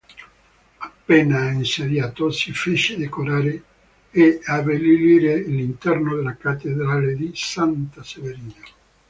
Appena insediatosi fece decorare e abbellire l'interno della cattedrale di Santa Severina.